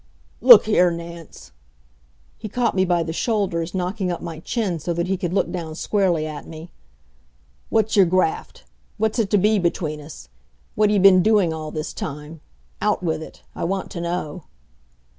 "Look here, Nance." He caught me by the shoulders, knocking up my chin so that he could look down squarely at me. "What's your graft? What's it to be between us? What've ye been doing all this time? Out with it! I want to know."